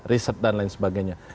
riset dan lain sebagainya